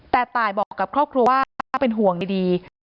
แต่ตายบอกกับครอบครัวว่าเป็นห่วงดี